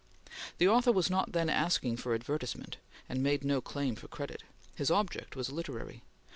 The author was not then asking for advertisement, and made no claim for credit. His object was literary.